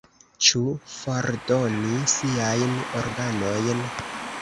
Ĉu fordoni siajn organojn?